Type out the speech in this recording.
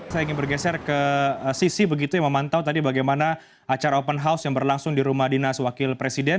saya ingin bergeser ke sisi begitu yang memantau tadi bagaimana acara open house yang berlangsung di rumah dinas wakil presiden